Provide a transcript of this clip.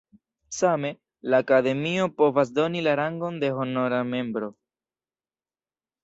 Same, la Akademio povas doni la rangon de honora membro.